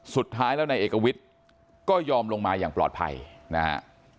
สุดท้ายแล้วนายเอกวิทย์ก็ยอมลงมาอย่างปลอดภัยนะฮะ